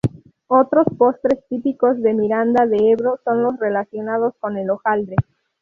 Otros postres típicos de Miranda de Ebro son los relacionados con el hojaldre.